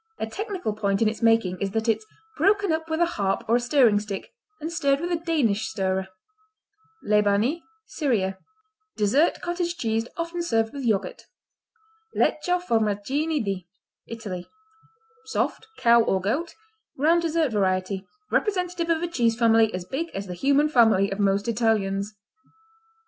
A technical point in its making is that it's "broken up with a harp or a stirring stick and stirred with a Danish stirrer." Lebanie Syria Dessert cottage cheese often served with yogurt. Lecco, Formaggini di Italy Soft; cow or goat; round dessert variety; representative of a cheese family as big as the human family of most Italians.